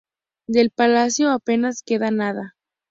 Del palacio apenas queda nada.